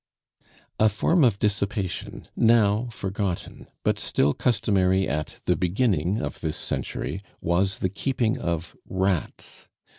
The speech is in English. '" A form of dissipation, now forgotten, but still customary at the beginning of this century, was the keeping of "rats."